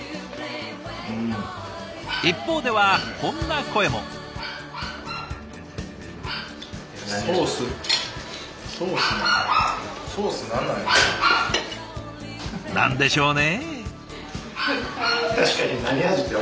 一方ではこんな声も。何でしょうね？